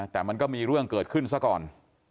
แต่มันก็มีเรื่องเกิดขึ้นซะก่อน